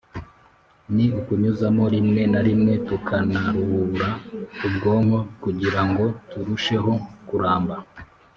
ni ukunyuzamo rimwe na rimwe tukanaruhura ubwonko kugirango turusheho kuramba